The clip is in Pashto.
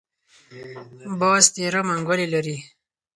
باز تېره منګولې لري